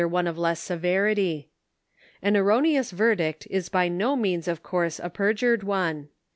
61 one of less 'severity. An erroneous verdict is by no means of course a perjured one.